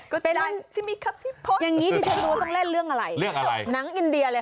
เป็นพระเอกกับนางเอกก็ได้ใช่มั้ยคะพี่พลต